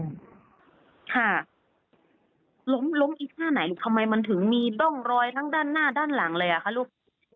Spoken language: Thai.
ค่ะล้มล้มอีกท่าไหนทำไมมันถึงมีร่องรอยทั้งด้านหน้าด้านหลังเลยอ่ะคะลูก